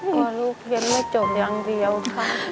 ก็ลูกเพียงไม่จบอย่างเดียวค่ะ